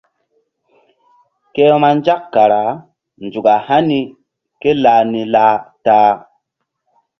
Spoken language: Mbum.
Ke vbanzak kara nzuk a hani ké lah ni lah ta-a.